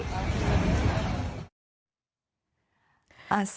สาธุ